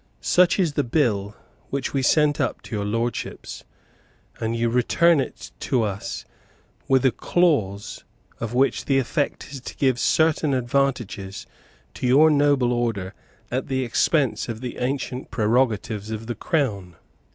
Such is the bill which we sent up to your Lordships; and you return it to us with a clause of which the effect is to give certain advantages to your noble order at the expense of the ancient prerogatives of the Crown.